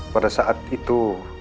pada saat itu